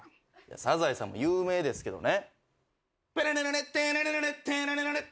サザエさんも有名ですけどね。